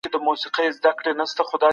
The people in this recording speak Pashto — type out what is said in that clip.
که انلاین زده کړه بې کنټروله وي.